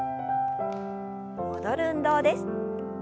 戻る運動です。